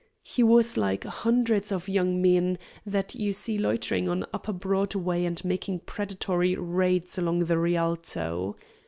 He was like hundreds of young men that you see loitering on upper Broadway and making predatory raids along the Rialto.